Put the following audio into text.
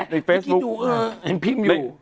เห็นพิมอยู่